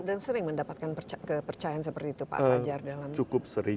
dan sering mendapatkan kepercayaan seperti itu pak fajar